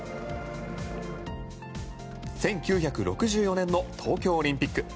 １９６４年の東京オリンピック。